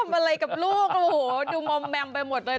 พ่อทำอะไรกับลูกโอโหดูมมมไปหมดเลย